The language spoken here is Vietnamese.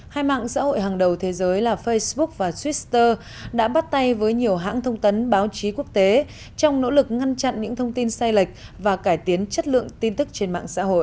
hai mạng xã hội hàng đầu thế giới là facebook và twitter đã bắt tay với nhiều hãng thông tấn báo chí quốc tế trong nỗ lực ngăn chặn những thông tin sai lệch và cải tiến chất lượng tin tức trên mạng xã hội